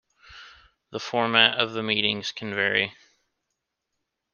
The format of the meetings can vary.